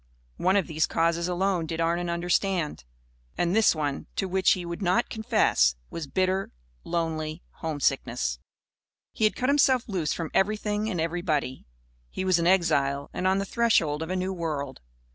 One of these causes alone did Arnon understand. And this one to which he would not confess was bitter, lonely homesickness. He had cut himself loose from everything and everybody. He was an exile and on the threshold of a new world.